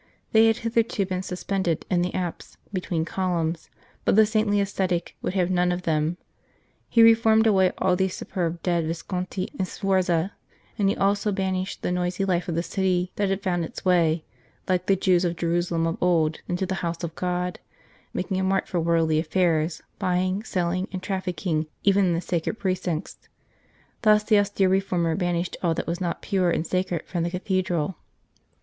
They had hitherto been suspended in the apse between columns, but the saintly ascetic would have none of them ; he reformed away all those superb dead Visconti and Sforza, and he also banished the noisy life of the city that had found its way, like the Jews of Jerusalem of old, into the house of God, making a mart for worldly affairs, buying, selling and trafficking even in the sacred precincts. Thus the austere reformer banished all that was not pure and sacred from the cathedral.